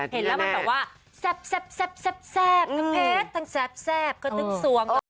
เห็นแล้วมันแบบว่าแซ่บแซ่บแซ่บแซ่บแซ่บทั้งแพทย์ทั้งแซ่บแซ่บก็นึกสวม